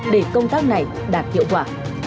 để công tác này đạt hiệu quả